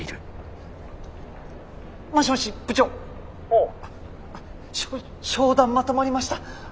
あっあっ商談まとまりました！